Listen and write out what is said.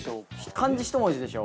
漢字一文字でしょ？